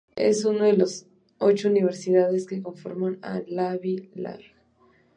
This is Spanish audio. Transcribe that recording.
Es una de las ocho universidades que conforman la Ivy League.